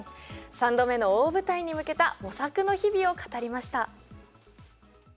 ３度目の大舞台に向けた模索の日々を語りました。